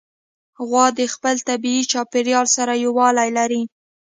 غوا د خپل طبیعي چاپېریال سره یووالی لري.